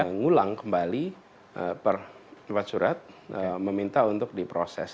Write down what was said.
saya mengulang kembali per lewat surat meminta untuk diproses